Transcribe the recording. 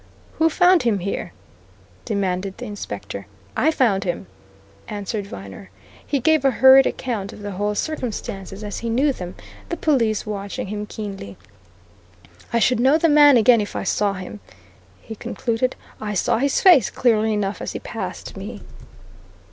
"Who found him here?" demanded the inspector. "I found him," answered Viner. He gave a hurried account of the whole circumstances as he knew them, the police watching him keenly. "I should know the man again if I saw him," he concluded. "I saw his face clearly enough as he passed me."